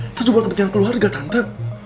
kita coba kepentingan keluarga tante